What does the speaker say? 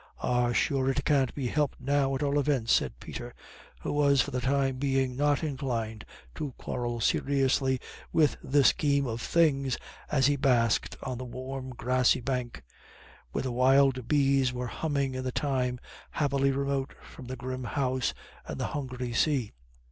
"Ah, sure it can't be helped now at all events," said Peter, who was for the time being not inclined to quarrel seriously with the scheme of things, as he basked on the warm grassy bank, where the wild bees were humming in the thyme, happily remote from the grim House and the hungry sea.